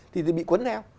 thì bị quấn heo